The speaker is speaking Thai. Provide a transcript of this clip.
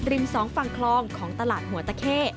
สองฝั่งคลองของตลาดหัวตะเข้